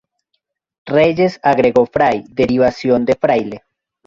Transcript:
Reyes agregó Fray, derivación de fraile.